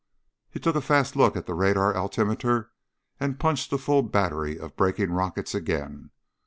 He took a fast look at the radar altimeter and punched the full battery of braking rockets again.